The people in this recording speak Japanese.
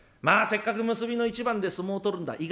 まあせっかく結びの一番で相撲を取るんだ。